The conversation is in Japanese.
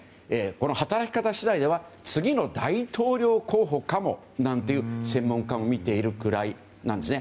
この働き方次第では次の大統領候補かもと専門家もみているくらいなんです。